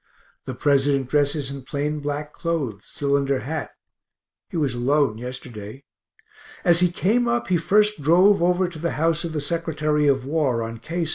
The President dresses in plain black clothes, cylinder hat he was alone yesterday. As he came up, he first drove over to the house of the Sec. of War, on K st.